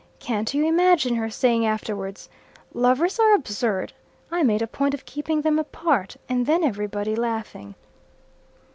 Can't you imagine her saying afterwards, 'Lovers are absurd. I made a point of keeping them apart,' and then everybody laughing."